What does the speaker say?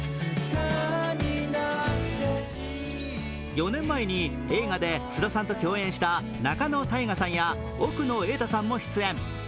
４年前に映画で菅田さんと共演した仲野太賀さんや奥野瑛太さんも出演。